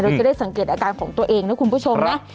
จะได้สังเกตอาการของตัวเองนะคุณผู้ชมนะ